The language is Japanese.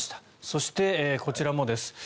そして、こちらもです。